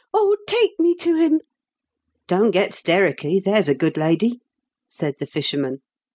" Oh, take me tb him !"" Don't get stericky, there's a good lady," said the fisherman.